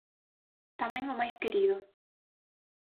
Tamén o máis querido.